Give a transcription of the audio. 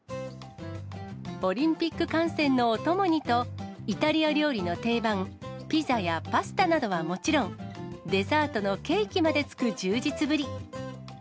オリンピック観戦のお供にと、イタリア料理の定番、ピザやパスタなどはもちろん、デザートのケーキまで付く充実ぶり。